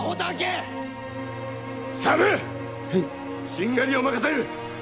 しんがりを任せる！